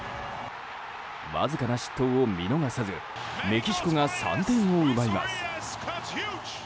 わずかな失投を見逃さずメキシコが３点を奪います。